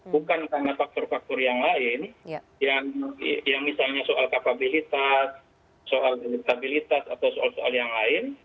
bukan karena faktor faktor yang lain yang misalnya soal kapabilitas soal elektabilitas atau soal soal yang lain